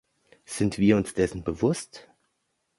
Sind wir uns dessen bewusst?